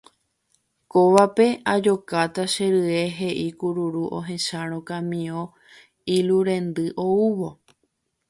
Kóvape ajokáta che rye he'i kururu ohechárõ kamiõ ilu rendy oúvo